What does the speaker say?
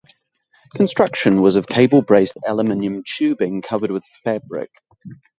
Construction was of cable-braced aluminum tubing covered with fabric.